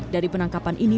dari penangkapan ini